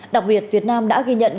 đặc biệt việt nam đã ghi nhận